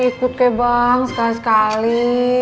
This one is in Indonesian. ini ikut kek bang sekali sekali